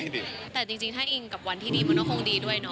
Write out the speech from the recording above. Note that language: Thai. แต่จริงถ้าอิงกับวันที่ดีมันก็คงดีด้วยเนอ